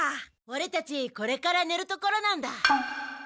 オレたちこれからねるところなんだ。